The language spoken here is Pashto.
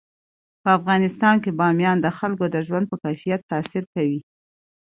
په افغانستان کې بامیان د خلکو د ژوند په کیفیت تاثیر کوي.